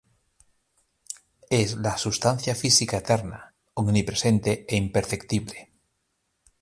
Es la sustancia física eterna, omnipresente e imperceptible.